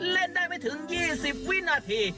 เล่นได้ไม่ถึง๒๐วินาที